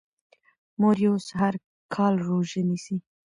مور یې اوس هر کال روژه نیسي.